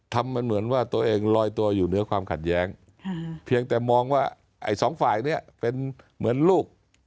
ทำมันเหมือนว่าตัวเองลอยตัวอยู่เหนือความขัดแย้งเพียงแต่มองว่าไอ้สองฝ่ายเนี่ยเป็นเหมือนลูก